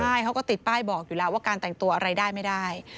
ใช่เขาก็ติดป้ายบอกอยู่แล้วว่าการแต่งตัวอะไรได้ไม่ได้